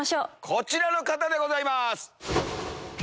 こちらの方でございます。